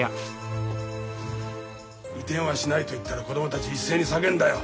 移転はしないと言ったら子供たち一斉に叫んだよ。